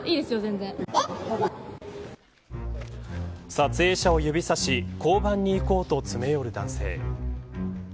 撮影者を指さし交番に行こうと詰め寄る男性。